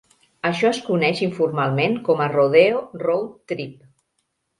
Això es coneix informalment com a "Rodeo Road Trip".